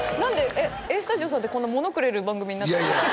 えっ「ＡＳＴＵＤＩＯ＋」さんってこんな物くれる番組になったんですか？